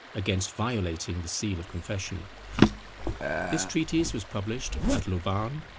against violating the seal of confession. This treatise was published at Louvain.